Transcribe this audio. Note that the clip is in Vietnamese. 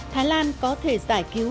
thái lan có thể giải cứu